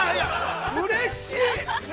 ◆うれしい！